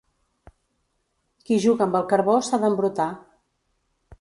Qui juga amb el carbó s'ha d'embrutar.